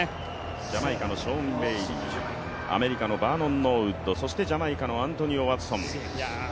ジャマイカのショーン・ベイリー、アメリカのバーノン・ノーウッド、そしてジャマイカのアントニオ・ワトソン。